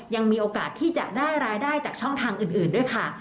ยังมีโอกาสที่จะได้รายได้จากช่องทางอื่นด้วยค่ะ